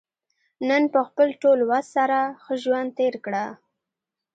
نن په خپل ټول وس سره ښه ژوند تېر کړه.